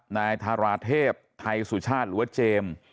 นายธาราเทพไทยสุชาติหรือว่าเจมส์